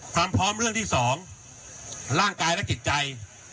ความพร้อมเรื่องที่๒ร่างกายและจิตใจ